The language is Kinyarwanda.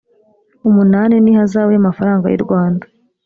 umunani n ihazabu y amafaranga y urwanda